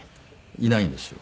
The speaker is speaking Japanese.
いないんですよ。